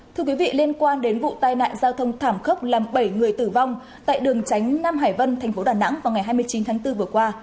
thưa quý vị liên quan đến vụ tai nạn giao thông thảm khốc làm bảy người tử vong tại đường tránh nam hải vân tp đà nẵng vào ngày hai mươi chín tháng bốn vừa qua